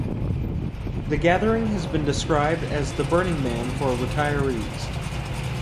The gathering has been described as the Burning Man for retirees.